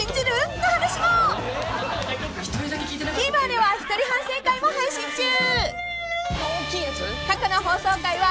［ＴＶｅｒでは一人反省会も配信中］